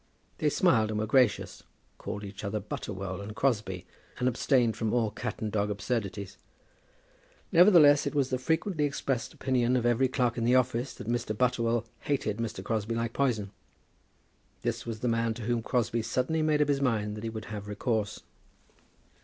They smiled and were gracious, called each other Butterwell and Crosbie, and abstained from all cat and dog absurdities. Nevertheless, it was the frequently expressed opinion of every clerk in the office that Mr. Butterwell hated Mr. Crosbie like poison. This was the man to whom Crosbie suddenly made up his mind that he would have recourse.